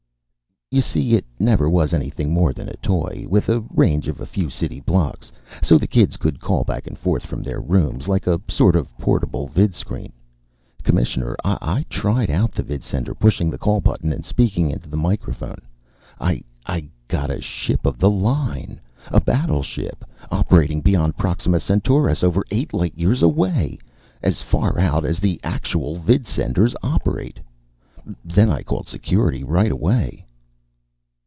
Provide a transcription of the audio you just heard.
"You see, it never was anything more than a toy. With a range of a few city blocks. So the kids could call back and forth from their rooms. Like a sort of portable vidscreen. Commissioner, I tried out the vidsender, pushing the call button and speaking into the microphone. I I got a ship of the line. A battleship, operating beyond Proxima Centaurus over eight light years away. As far out as the actual vidsenders operate. Then I called Security. Right away."